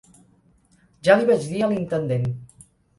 Ja li vaig dir a l'intendent.